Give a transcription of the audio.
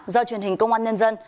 do truyền hình công an nhân dân